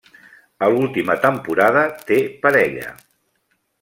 A l'última temporada té parella.